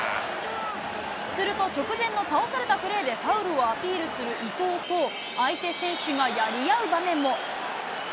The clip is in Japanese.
すると直前の倒されたプレーでファウルをアピールする伊東と、相手選手がやり合う場面も。